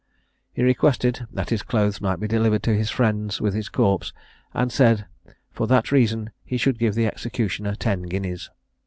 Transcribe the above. He requested that his clothes might be delivered to his friends with his corpse, and said for that reason he should give the executioner ten guineas.